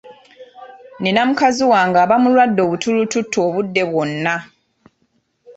Nina mukazi wange aba mulwadde obutulututtu obudde bwonna.